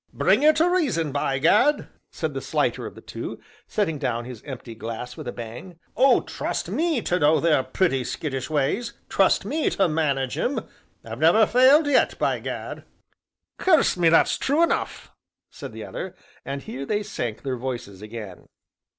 "... Bring her to reason, by gad!" said the slighter of the two, setting down his empty glass with a bang, "oh, trust me to know their pretty, skittish ways, trust me to manage 'em; I've never failed yet, by gad!" "Curse me, that's true enough!" said the other, and here they sank their voices again.